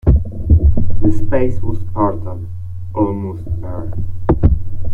The space was spartan, almost bare.